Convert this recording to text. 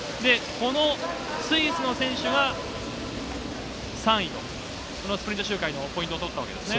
このスイスの選手が３位と、このスプリント周回のポイントを取ったわけですね。